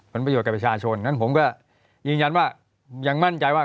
ประโยชนกับประชาชนนั้นผมก็ยืนยันว่ายังมั่นใจว่า